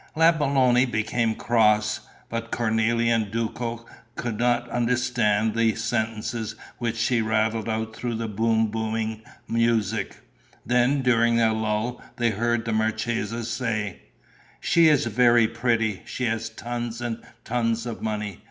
La Belloni became cross, but Cornélie and Duco could not understand the sentences which she rattled out through the boom booming music. Then, during a lull, they heard the marchesa say: "She is very pretty. She has tons and tons of money.